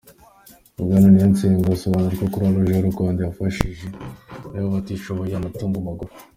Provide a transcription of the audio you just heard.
Bwana Niyonsenga asobanura ko Croix-Rouge y’u Rwanda yabafashije iha abatishoboye amatungo magufi.